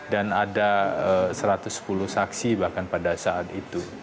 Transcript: dan ada satu ratus sepuluh saksi bahkan pada saat itu